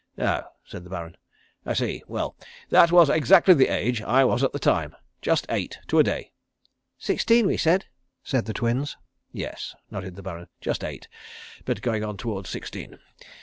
"Oh," said the Baron. "I see. Well, that was exactly the age I was at the time. Just eight to a day." "Sixteen we said," said the Twins. "Yes," nodded the Baron. "Just eight, but going on towards sixteen.